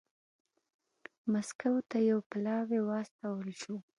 مسکو ته یو پلاوی واستول شو